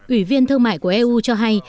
ủy viên thương mại của eu cho hay